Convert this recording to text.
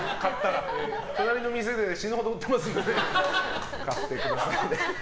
隣の店で死ぬほど売ってますんで買ってくださいね。